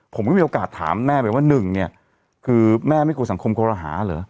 ผมก็มีโอกาสถามแม่ไปว่าหนึ่งเนี่ยคือแม่ไม่กลัวสังคมคอรหาเหรอ